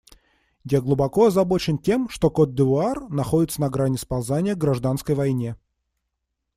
Я глубоко озабочен тем, что Котд'Ивуар находится на грани сползания к гражданской войне.